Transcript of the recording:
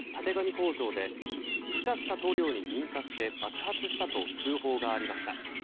工場で気化した塗料に引火して爆発したと通報がありました。